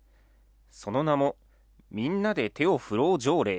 その名も、みんなで手をふろう条例。